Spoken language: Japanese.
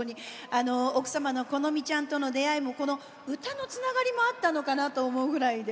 あの奥様のこのみちゃんとの出会いもこの歌のつながりもあったのかなと思うぐらいです。